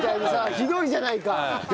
ひどいじゃないか！